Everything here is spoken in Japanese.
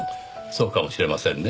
そうかもしれませんねぇ。